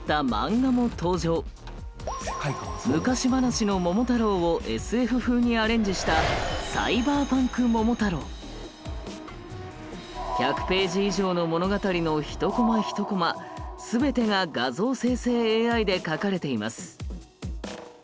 昔話の「桃太郎」をＳＦ風にアレンジした１００ページ以上の物語の１コマ１コマすべてが画像生成ＡＩで描かれています。